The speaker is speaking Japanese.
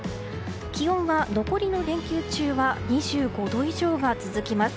気温は残りの連休中は２５度以上が続きます。